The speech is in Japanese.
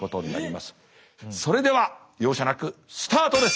それでは容赦なくスタートです。